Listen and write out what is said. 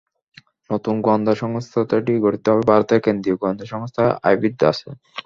নতুন গোয়েন্দা সংস্থাটি গঠিত হবে ভারতের কেন্দ্রীয় গোয়েন্দা সংস্থা আইবির ধাঁচে।